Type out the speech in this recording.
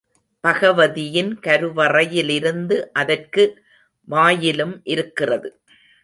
பகவதியின் கருவறையிலிருந்து அதற்கு வாயிலும் இருக்கிறது.